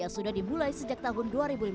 yang sudah dimulai sejak tahun dua ribu lima belas